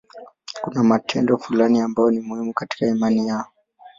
Kuna matendo fulani ambayo ni muhimu katika imani hiyo.